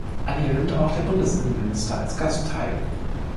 An ihr nimmt auch der Bundesinnenminister als Gast teil.